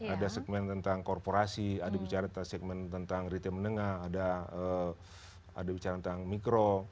ada segmen tentang korporasi ada bicara tentang segmen tentang retail menengah ada bicara tentang mikro